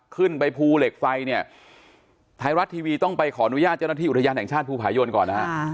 ขึ้นไปภูเหล็กไฟเนี่ยไทยรัฐทีวีต้องไปขออนุญาตเจ้าหน้าที่อุทยานแห่งชาติภูผายนก่อนนะฮะ